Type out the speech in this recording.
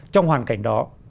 trong hoàn cảnh đó